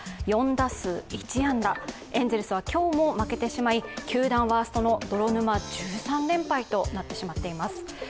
４打数１安打、エンゼルスは今日も負けてしまい、球団ワーストの、泥沼１３連敗となってしまっています。